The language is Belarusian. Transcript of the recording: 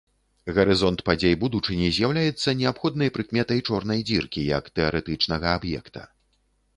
Гарызонт падзей будучыні з'яўляецца неабходнай прыкметай чорнай дзіркі як тэарэтычнага аб'екта.